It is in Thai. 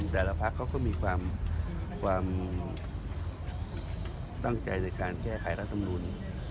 แต่ละพักเขาก็มีความตั้งใจในการแก้ไขรัฐมนุน